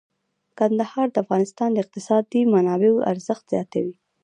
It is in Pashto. کندهار د افغانستان د اقتصادي منابعو ارزښت زیاتوي.